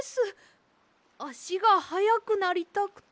あしがはやくなりたくて。